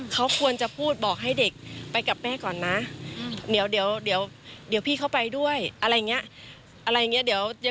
เขาควรจะพูดบอกให้เด็กไปกับแม่ก่อนนะเดี๋ยวพี่เข้าไปด้วยอะไรอย่างนี้